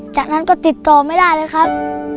จากนั้นก็ติดต่อไม่ได้เลยครับ